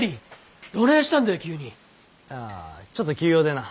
あちょっと急用でな。